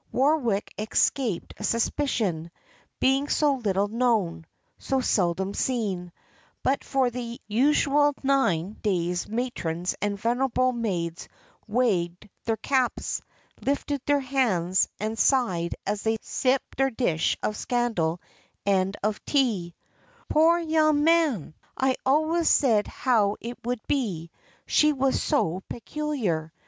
Warwick escaped suspicion, being so little known, so seldom seen; but for the usual nine days matrons and venerable maids wagged their caps, lifted their hands, and sighed as they sipped their dish of scandal and of tea "Poor young man! I always said how it would be, she was so peculiar.